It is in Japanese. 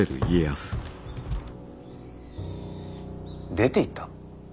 出ていった？